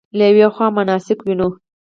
له یوې خوا مناسک وینو.